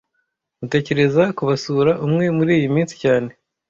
Tmutekereza kubasura umwe muriyi minsi cyane